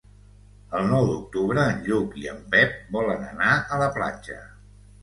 El nou d'octubre en Lluc i en Pep volen anar a la platja.